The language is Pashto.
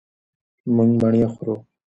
مونږ مڼې خورو.